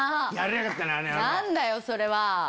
何だよそれは！